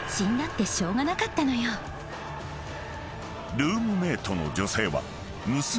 ［ルームメートの女性は］